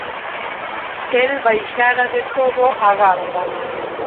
El baixara de todo a garda.